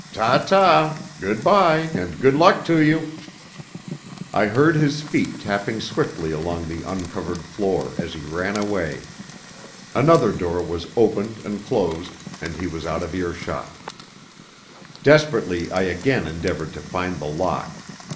Ta, ta! Good bye, and good luck to you!" I heard his feet tapping swiftly along the uncovered floor as he ran away. Another door was opened and closed, and he was out of earshot. Desperately I again endeavoured to find the lock.